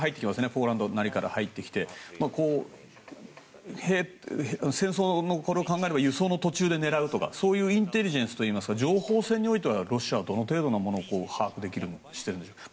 ポーランドなりから入ってきて戦争のことを考えれば輸送の途中で狙うとかインテリジェンスというか情報戦においてはロシアはどの程度のものを把握しているんですか？